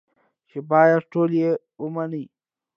چې بايد ټول يې ومنو.